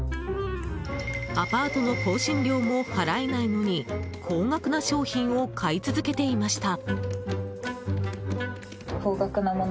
アパートの更新料も払えないのに高額な商品を買い続けていました。